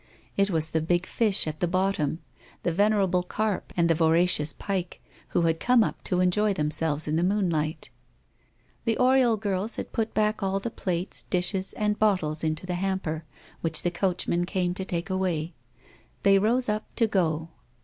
It was the big fish at the bottom, the venerable carp and the voracious pike, who had come up to enjoy themselves in the moonlight. The Oriol girls had put back all the plates, dishes, and bottles into the hamper, which the coachman came to take away. They rose up to go.